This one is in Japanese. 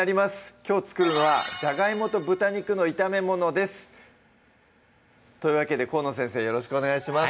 きょう作るのは「ジャガイモと豚肉の炒めもの」ですというわけで河野先生よろしくお願いします